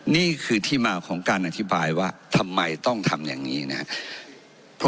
นี่คือที่มาของการอธิบายว่าทำไมต้องทำอย่างนี้นะครับ